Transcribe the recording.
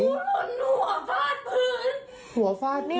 แต่กูหัวฝาดพื้น